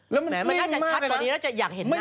แล้วมันลิ่งมากเลยนะ